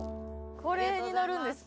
これに乗るんですか？